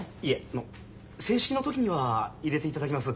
あの正式の時には入れていただきます。